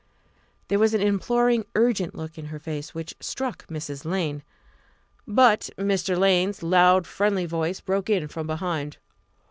There was an imploring, urgent look in her face which struck Mrs. Lane. But Mr. Lane's loud friendly voice broke in from behind.